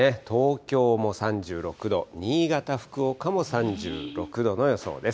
東京も３６度、新潟、福岡も３６度の予想です。